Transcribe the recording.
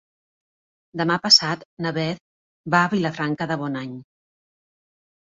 Demà passat na Beth va a Vilafranca de Bonany.